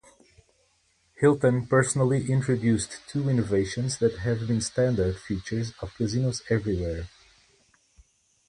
Hilton personally introduced two innovations that have become standard features of casinos everywhere.